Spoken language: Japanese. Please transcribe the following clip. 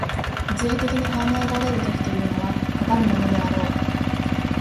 物理的に考えられる時というのは、かかるものであろう。